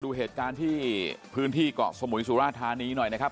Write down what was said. ดูเหตุการณ์ที่พื้นที่เกาะสมุยสุราธานีหน่อยนะครับ